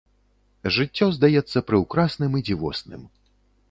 Жыццё здаецца прыўкрасным і дзівосным.